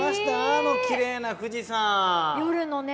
あのきれいな富士山夜のね